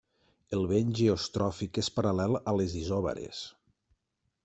El vent geostròfic és paral·lel a les isòbares.